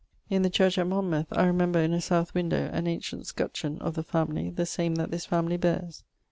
In the church at Monmouth, I remember in a south windowe an ancient scutcheon of the family, the same that this family beares.